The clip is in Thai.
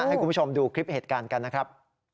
ให้คุณผู้ชมดูคลิปเหตุการณ์กันนะครับ